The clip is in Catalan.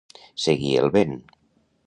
Seguir el vent.